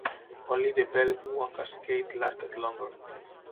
Only the Bellevue and Cascade lasted longer.